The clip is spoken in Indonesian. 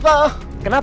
bapak ngebut ya